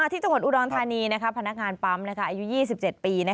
ที่จังหวัดอุดรธานีพนักงานปั๊มอายุ๒๗ปี